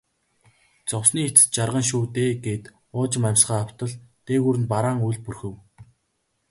Зовсны эцэст жаргана шүү дээ гээд уужим амьсгаа автал дээгүүр нь бараан үүл бүрхэв.